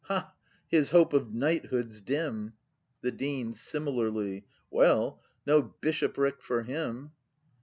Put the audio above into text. ] Ha, h i s hope of knighthood's dim! The Dean. [Similarly.] Well; no bishopric for him